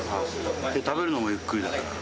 食べるのもゆっくりだから。